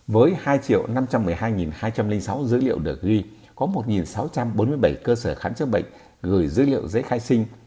với hai năm trăm một mươi hai hai trăm linh sáu dữ liệu được ghi có một sáu trăm bốn mươi bảy cơ sở khám chữa bệnh gửi dữ liệu giấy khai sinh